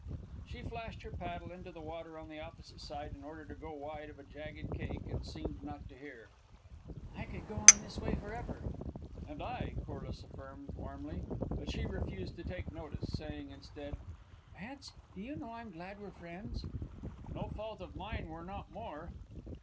She flashed her paddle into the water on the opposite side in order to go wide of a jagged cake, and seemed not to hear. "I could go on this way forever." "And I," Corliss affirmed, warmly. But she refused to take notice, saying, instead, "Vance, do you know I'm glad we're friends?" "No fault of mine we're not more."